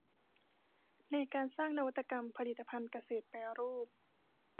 ในการสร้างนวัตกรรมผลิตภัณฑ์เกษตรแปรรูป